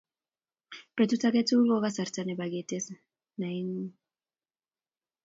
Petut age tugul ko kasarta nebo ketes naengung